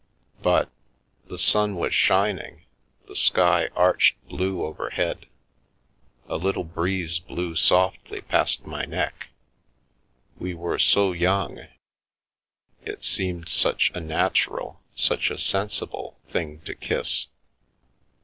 But — the sun was shin ing, the sky arched blue overhead, a little breeze blew softly past my neck, we were so young — it seemed such a natural, such a sensible thing to kiss